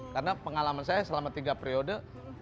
karena pengalaman saya selama tiga periode